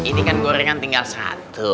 ini kan gorengan tinggal satu